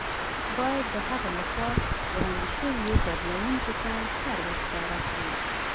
باید د هغه له خوا وړاندې شویو بدلوونکو ته سر ورښکاره کړو.